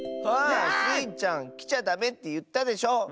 あスイちゃんきちゃダメっていったでしょ。